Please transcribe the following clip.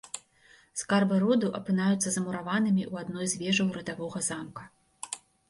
Скарбы роду апынаюцца замураванымі ў адной з вежаў радавога замка.